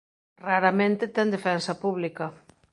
Raramente ten defensa pública.